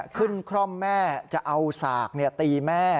คร่อมแม่จะเอาสากตีแม่